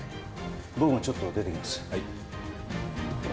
僕もちょっと、出てきます。